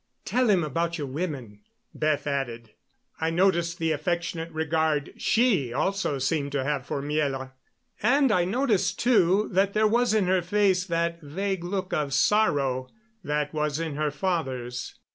"Tell him about your women," Beth added. I noticed the affectionate regard she also seemed to have for Miela; and I noticed, too, that there was in her face that vague look of sorrow that was in her father's.